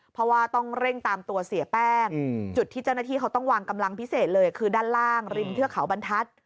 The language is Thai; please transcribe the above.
เพราะว่าต้องเร่งตามตัวเสียแป้งจุดที่เจ้าหน้าที่เขาต้องวางกำลังพิเศษเลยคือด้านล่างริมเทือกเขาบรรทัศน์